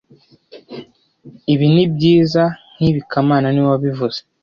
Ibi nibyiza nkibi kamana niwe wabivuze